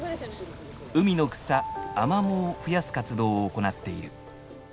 海の草アマモを増やす活動を行っている。